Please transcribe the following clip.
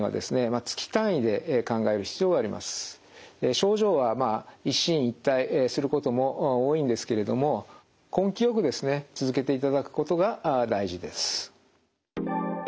症状はまあ一進一退することも多いんですけれども根気よく続けていただくことが大事です。